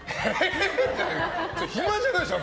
暇じゃないでしょ。